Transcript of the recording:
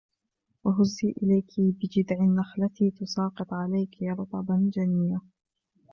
وَهُزِّي إِلَيْكِ بِجِذْعِ النَّخْلَةِ تُسَاقِطْ عَلَيْكِ رُطَبًا جَنِيًّا